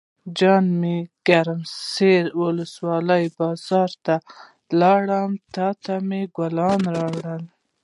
جان مې نن ګرم سر ولسوالۍ بازار ته لاړم او تاته مې ګلابي راوړې.